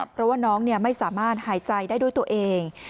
เพราะว่าน้องไม่สามารถหายใจได้ด้วยตัวเอง